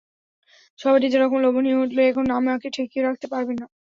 সভাটি যেরকম লোভনীয় হয়ে উঠল, এখন আমাকে ঠেকিয়ে রাখতে পারবেন না।